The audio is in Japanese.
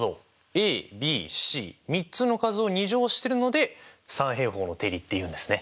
ａｂｃ３つの数を２乗してるので三平方の定理っていうんですね。